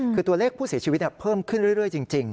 คือตัวเลขผู้เสียชีวิตเพิ่มขึ้นเรื่อยจริง